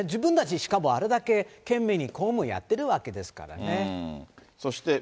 しかもあれだけ懸命に公務をやってるわけですからね。